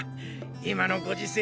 今のご時世